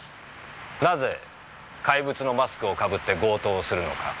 なぜ怪物のマスクを被って強盗をするのか？